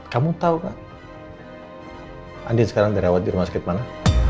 kamu tahu pak andien sekarang direwet di rumah sakit mana